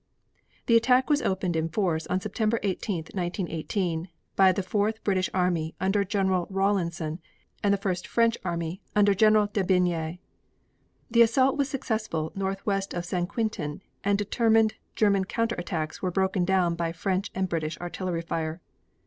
The attack was opened in force on September 18, 1918, by the Fourth British army under General Rawlinson and the First French army under General Debeney. The assault was successful northwest of St. Quentin and determined German counter attacks were broken down by French and British artillery fire.